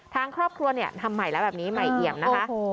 ทางครอบครัวเนี่ยทำใหม่แล้วแบบนี้ใหม่เอี่ยมนะคะ